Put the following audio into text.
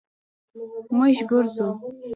مونږ ګرځو